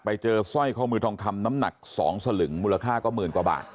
สร้อยข้อมือทองคำน้ำหนัก๒สลึงมูลค่าก็หมื่นกว่าบาท